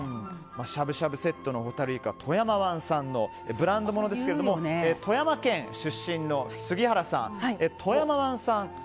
しゃぶしゃぶセットのホタルイカは富山湾産のブランドものですが富山県出身の杉原さん